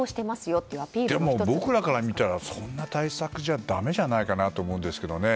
でも僕らから見たらそんな対策じゃだめじゃないかなと思うんですけどね。